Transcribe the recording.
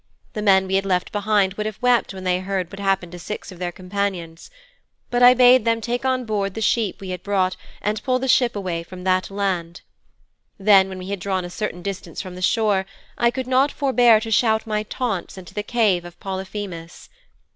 The men we had left behind would have wept when they heard what had happened to six of their companions. But I bade them take on board the sheep we had brought and pull the ship away from that land. Then when we had drawn a certain distance from the shore I could not forbear to shout my taunts into the cave of Polyphemus.